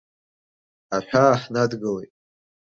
Аҳәаа ҳнадгылеит.